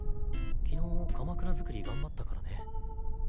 昨日かまくら作り頑張ったからね。